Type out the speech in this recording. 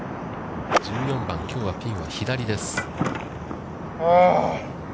１４番、きょうはピンは左です。